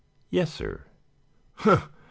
"Yes, sir." "Humph!